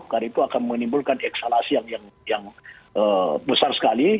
karena itu akan menimbulkan ekstalasi yang besar sekali